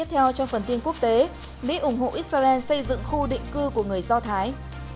tiếp theo trong phần tin quốc tế mỹ ủng hộ israel xây dựng khu định cư của người do thái